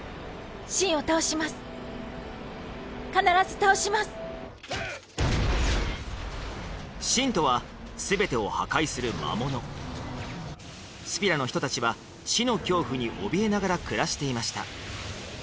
それはシンとは全てを破壊する魔物スピラの人達は死の恐怖におびえながら暮らしていました